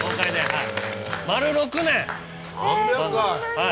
はい。